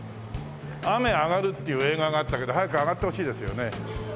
『雨あがる』っていう映画があったけど早く上がってほしいですよね。